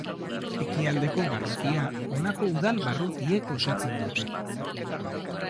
Ekialdeko barrutia honako udal barrutiek osatzen dute.